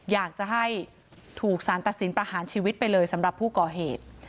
อยากจะให้ถูกสารตัดสินประหารชีวิตไปเลยสำหรับผู้ก่อเหตุ